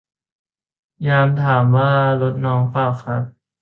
ยามถามว่า รถน้องป่าวครับ